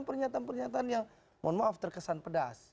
pernyataan pernyataan yang mohon maaf terkesan pedas